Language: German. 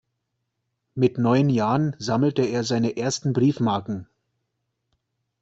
Mit neun Jahren sammelte er seine ersten Briefmarken.